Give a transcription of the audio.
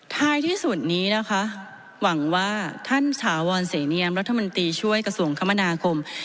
ท้ายที่สุดนี้นะคะหวังว่าท่านถาวรเสนียมรัฐมนตรีช่วยกระทรวงคมนาคม